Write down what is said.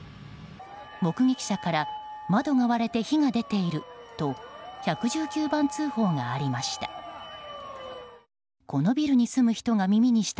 目撃者から窓が割れて火が出ていると１１９番通報がありました。